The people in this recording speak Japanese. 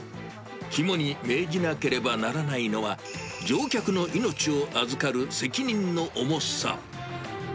肝に銘じなければならないのは、乗客の命を預かる責任の重さ。